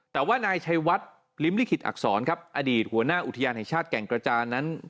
แต่ว่านายชัยวัดลิ้มลิขิตอักษรครับอดีตหัวหน้าอุทยานแห่งชาติแก่งกระจานนั้น